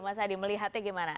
mas adi melihatnya gimana